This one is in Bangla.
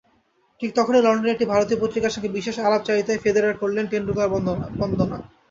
ঠিক তখনই লন্ডনে একটি ভারতীয় পত্রিকার সঙ্গে বিশেষ আলাপচারিতায় ফেদেরার করলেন টেন্ডুলকার-বন্দনা।